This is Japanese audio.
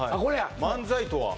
「漫才とは」